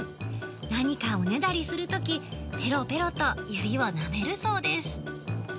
何かおねだりするとき、ぺろぺろと指をなめるそうです。